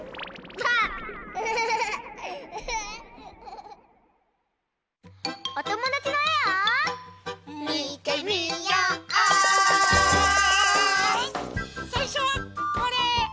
さいしょはこれ。